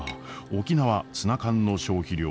沖縄ツナ缶の消費量